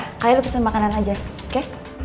jam kuliah kalian pesen makanan aja oke